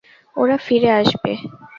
ওরা ফিরে আসবে।